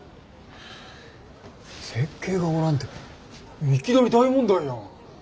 設計がおらんていきなり大問題やん。